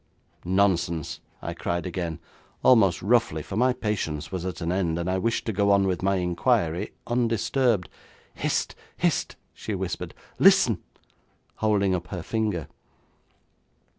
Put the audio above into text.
'Nonsense!' I cried again, almost roughly for my patience was at an end, and I wished to go on with my inquiry undisturbed. 'Hist, hist!' she whispered; 'listen!' holding up her finger.